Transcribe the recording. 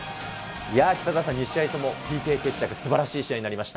いやー、北澤さん、２試合ともＰＫ決着、すばらしい試合になりました。